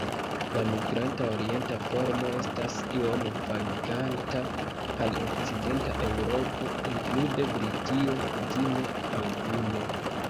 La migranta orienta formo estas iom vaganta al okcidenta Eŭropo, inklude Britio, kutime aŭtune.